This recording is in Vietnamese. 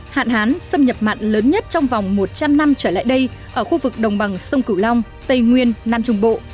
hạn hán xâm nhập mặn lớn nhất trong vòng một trăm linh năm trở lại đây ở khu vực đồng bằng sông cửu long tây nguyên nam trung bộ